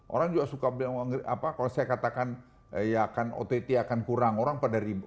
orang juga suka bilang kalau saya katakan ott akan kurang orang pada ribut